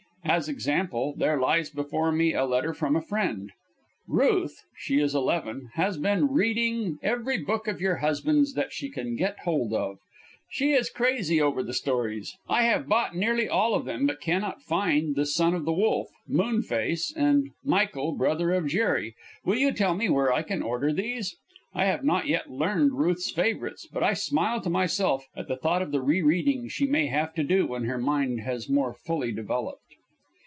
As example, there lies before me a letter from a friend: "Ruth (she is eleven) has been reading every book of your husband's that she can get hold of. She is crazy over the stories. I have bought nearly all of them, but cannot find 'The Son of the Wolf,' 'Moon Face,' and 'Michael Brother of Jerry.' Will you tell me where I can order these?" I have not yet learned Ruth's favorites; but I smile to myself at thought of the re reading she may have to do when her mind has more fully developed.